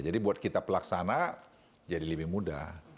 jadi buat kita pelaksana jadi lebih mudah